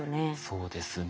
そうですね。